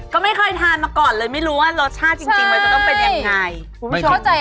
ก็ไม่ค่อยทานมาก่อนเลยไม่รู้ว่ารสชาติจริงมันจะเป็นยังไง